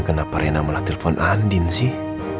kenapa rena malah telpon andin sih